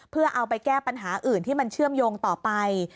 เพื่อเอาไปแก้ปัญหาอื่นที่มันเชื่อมโยงต่อไป